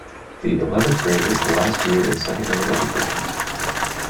The eleventh grade is the last year in secondary education.